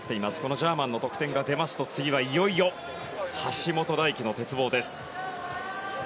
ジャーマンの得点が出ますと次はいよいよ橋本大輝の鉄棒。